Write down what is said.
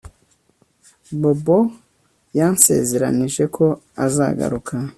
Bobo yansezeranije ko azagaruka